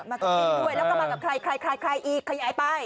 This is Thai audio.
มากับฟิวเจอร์มากับฟิวเจอร์แล้วก็มากับใครอีกขยายไป